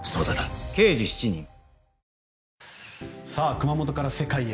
熊本から世界へ。